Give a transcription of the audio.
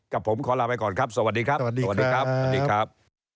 กับผมขอลาไปก่อนครับสวัสดีครับ